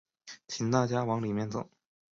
请大家往里面走